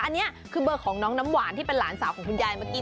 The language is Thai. อันนี้คือเบอร์ของน้องน้ำหวานที่เป็นหลานสาวของคุณยายเมื่อกี้